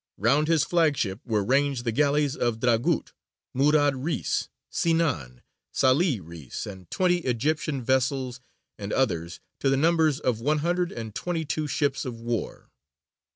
Round his flagship were ranged the galleys of Dragut, Murād Reïs, Sinān, Sālih Reïs with twenty Egyptian vessels, and others, to the number of one hundred and twenty two ships of war.